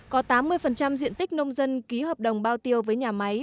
có tám mươi diện tích nông dân ký hợp đồng bao tiêu với nhà máy